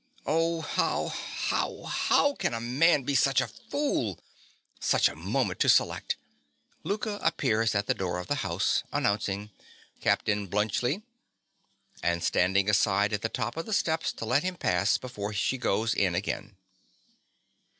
_) Oh, how—how—how can a man be such a fool! Such a moment to select! (_Louka appears at the door of the house, announcing "Captain Bluntschli;" and standing aside at the top of the steps to let him pass before she goes in again.